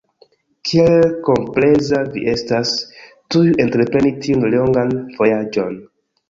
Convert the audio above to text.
Kiel kompleza vi estas, tuj entrepreni tiun longan vojaĝon!